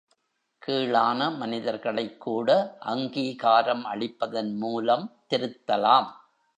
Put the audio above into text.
கீழான மனிதர்களைக்கூட அங்கீகாரம் அளிப்பதன் மூலம் திருத்தலாம்.